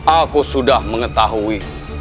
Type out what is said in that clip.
aku sudah mengetahui